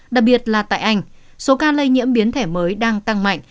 đặc biệt là tại anh số ca lây nhiễm biến thể mới đang tăng mạnh